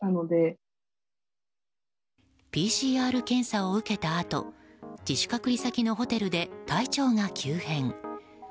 ＰＣＲ検査を受けたあと自主隔離先のホテルで体調が急変。